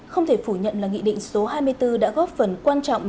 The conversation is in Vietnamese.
không thể phủ nhận là nghị định số hai mươi bốn đã góp phần quan trọng